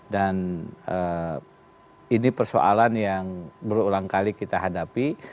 dan ini persoalan yang perlu ulang kali kita hadapi